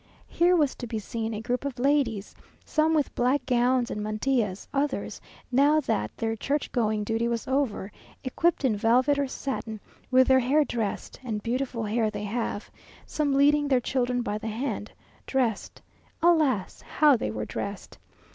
Here was to be seen a group of ladies, some with black gowns and mantillas; others, now that their church going duty was over, equipped in velvet or satin, with their hair dressed, and beautiful hair they have; some leading their children by the hand, dressed... alas! how they were dressed!